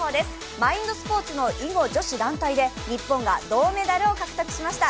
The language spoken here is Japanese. マインドスポーツの囲碁女子団体で日本が銅メダルを獲得しました。